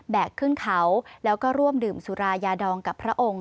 ขึ้นเขาแล้วก็ร่วมดื่มสุรายาดองกับพระองค์